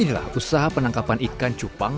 inilah usaha penangkapan ikan cupang